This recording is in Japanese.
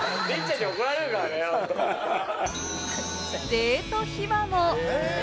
デート秘話も。